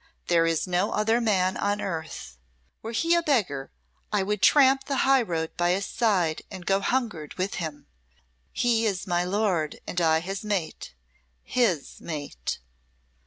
There is no other man on earth. Were he a beggar, I would tramp the highroad by his side and go hungered with him. He is my lord, and I his mate his mate!"